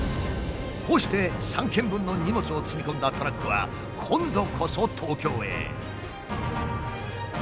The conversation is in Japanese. こうして３軒分の荷物を積み込んだトラックは今度こそ東京へ。